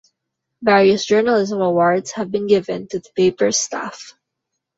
Various journalism awards have been given to the paper's staff.